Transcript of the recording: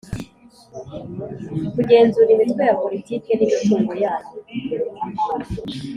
kugenzura imitwe ya politike n’imitungo yayo